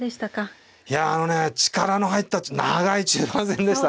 いやあのね力の入った長い中盤戦でしたね。